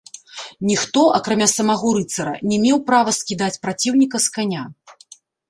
Ніхто, акрамя самаго рыцара не меў права скідаць праціўніка з каня.